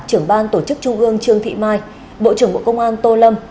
trưởng ban tổ chức trung ương trương thị mai bộ trưởng bộ công an tô lâm